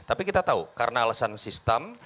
tapi kita tahu karena alasan sistem